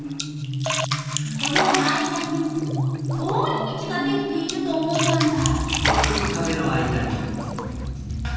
この間に通り道ができていると思ったんだ！